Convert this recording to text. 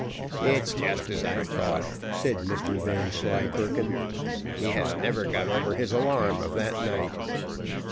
"It's just as I thought," said Mr Vanslyperken, "he has never got over his alarm of that night.